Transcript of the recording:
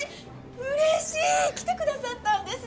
うれしい！来てくださったんですね。